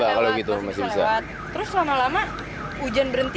terus lama lama hujan berhenti